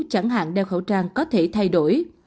chẳng hạn đeo khẩu trang có thể thay đổi